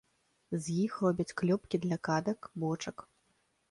З іх робяць клёпкі для кадак, бочак.